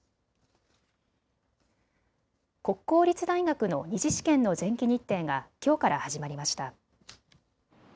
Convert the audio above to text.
国公立大学の２次試験の前期日程がきょうから始まりました。